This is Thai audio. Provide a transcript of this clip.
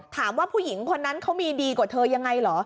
ถามว่าผู้หญิงคนนั้นเขามีดีกว่าเธอยังไงเหรอ